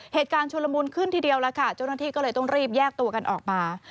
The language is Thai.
เหตุการณ์ชุลมูลขึ้นทีเดียวแล้วจุดหน้าที่ก็เลยต้องรีบแยกตัวกันออกมา